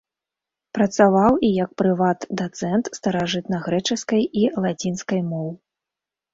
Працаваў і як прыват-дацэнт старажытнагрэчаскай і лацінскай моў.